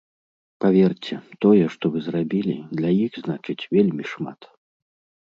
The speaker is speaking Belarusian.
Паверце, тое, што вы зрабілі, для іх значыць вельмі шмат.